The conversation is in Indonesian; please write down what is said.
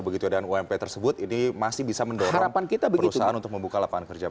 begitu ada ump tersebut ini masih bisa mendorong perusahaan untuk membuka lapangan pekerja baru